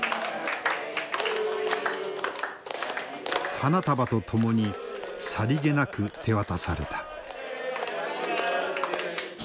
花束と共にさりげなく手渡された。